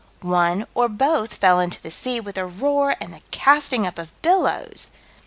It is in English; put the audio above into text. One or both fell into the sea, with a roar and the casting up of billows.